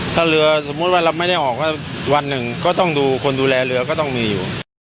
ถ้าเรือสมมุติว่าเราไม่ได้ออกก็วันหนึ่งก็ต้องดูคนดูแลเรือก็ต้องมีอยู่